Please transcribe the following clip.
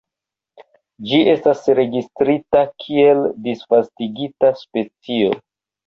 Ĝi estas registrita kiel disvastigita specio.